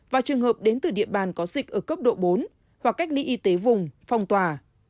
và trường hợp đến từ địa bàn có dịch ở cấp độ bốn hoặc cách ly y tế vùng phong tỏa